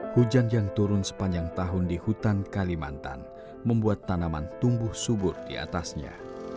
hujan yang turun sepanjang tahun di hutan kalimantan membuat tanaman tumbuh subur di atasnya